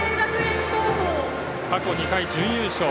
過去２回、準優勝。